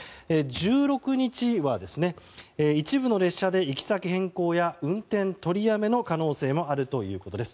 １６日は、一部の列車で行き先変更や運転取りやめの可能性もあるということです。